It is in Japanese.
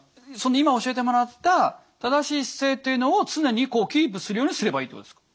今教えてもらった正しい姿勢っていうのを常にキープするようにすればいいってことですか？